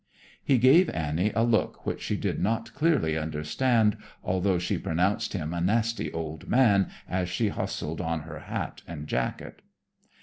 He gave Annie a look which she did not clearly understand, although she pronounced him a nasty old man as she hustled on her hat and jacket.